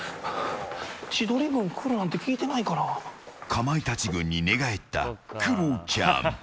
かまいたち軍に寝返ったクロちゃん。